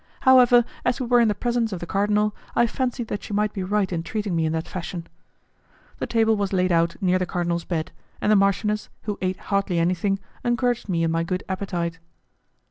However, as we were in the presence of the cardinal, I fancied that she might be right in treating me in that fashion. The table was laid out near the cardinal's bed, and the marchioness, who ate hardly anything, encouraged me in my good appetite.